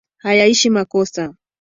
Hayaishi makosa,